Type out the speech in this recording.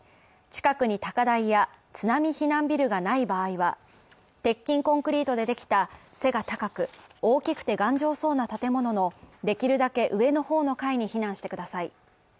近くに高台や津波避難ビルがない場合は、鉄筋コンクリートでできた背が高く、大きくて頑丈そうな建物のできるだけ上の方の階に避難してください。